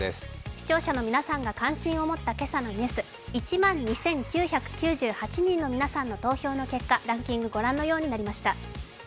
視聴者の皆さんが関心を持った今朝のニュース、１万２９９８人の皆さんの投票の結果ランキングご覧のようになりました。